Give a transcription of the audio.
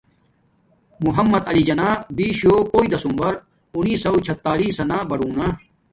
محمد علی جناح بیشو ہیوݵ دسمبر اونیسوں چھیاترانا نا باڑونا